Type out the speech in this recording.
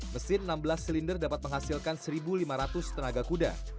mesin enam belas silinder dapat menghasilkan satu lima ratus tenaga kuda